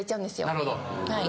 なるほど。